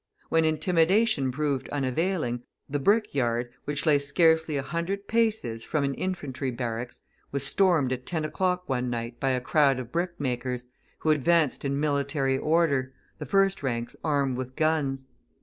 When intimidation proved unavailing, the brick yard, which lay scarcely a hundred paces from an infantry barracks, was stormed at ten o'clock one night by a crowd of brickmakers, who advanced in military order, the first ranks armed with guns.